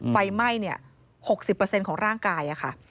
ไฟไหม้๖๐ของร่างกายค่ะ